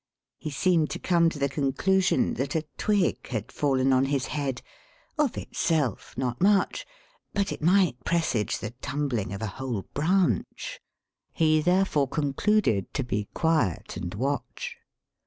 He seemed to come to the conclusion that a twig had fallen on his head, of itself not much^ but it might presage the tumbling of a whole branch. He therefore c6ncluded to be quiet and watch.